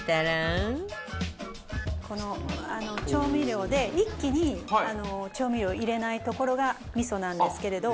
この調味料で一気に調味料を入れないところがミソなんですけれど。